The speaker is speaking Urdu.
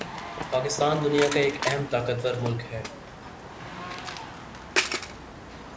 پاکستان دنیا کا ایک اہم طاقتور ملک ہے